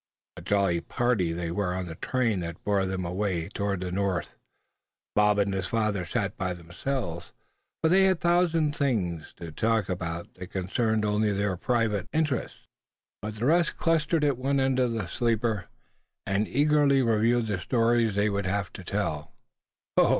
A jolly party they were on the train that bore them away toward the North. Bob and his father sat by themselves, for they had a thousand things to talk about, that concerned only their private interests. But the rest clustered at one end of the sleeper, and eagerly reviewed the stories they would have to tell.